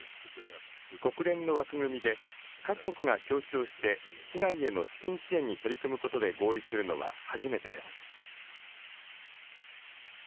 国連の枠組みで各国が協調して被害への資金支援に取り組むことで合意するのは初めてです。